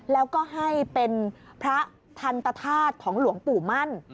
แล้วก็ให้เป็นพระทันตธาตุของหลวงปู่มั่น